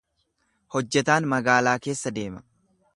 Hojjetaan magaalaa keessa deema.